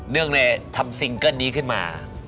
เรื่องในทำซิงเกิ้ลนี้ขึ้นมา